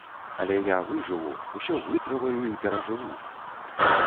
Але я выжыву, усё вытрываю і перажыву!